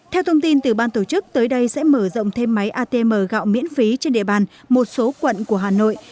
theo thông tin từ ban tổ chức tới đây sẽ mở rộng thêm máy atm gạo miễn phí trên địa bàn một số quận của hà nội